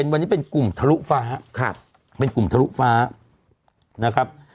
วันนี้เป็นกลุ่มทะลุฟ้าเป็นกลุ่มทะลุฟ้านะครับ